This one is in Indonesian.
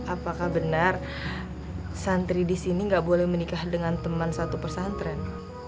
apakah benar santri di sini nggak boleh menikah dengan teman satu pesantren